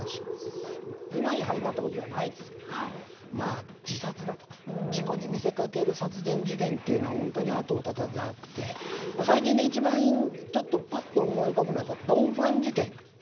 今に始まったことではないですが自殺だとか事故に見せかける殺人事件というのは本当に後を絶たなくて最近で一番ぱっと思い浮かんだのは紀州のドンファン事件。